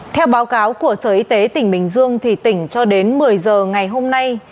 theo báo cáo của sở y tế tỉnh bình dương tỉnh cho đến một mươi giờ ngày hôm nay